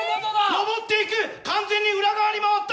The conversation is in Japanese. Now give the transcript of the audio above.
上っていく完全に裏側に回った！